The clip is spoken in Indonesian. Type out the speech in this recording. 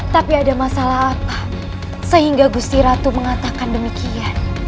tapi ada masalah apa sehingga gusti ratu mengatakan demikian